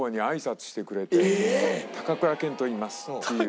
「高倉健といいます」という。